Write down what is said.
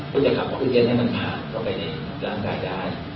ก็จะขับออกซิเจนให้มันผ่านเข้าไปในร่างกายได้